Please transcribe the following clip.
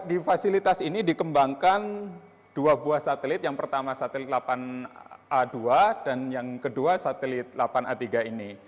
di fasilitas ini dikembangkan dua buah satelit yang pertama satelit delapan a dua dan yang kedua satelit delapan a tiga ini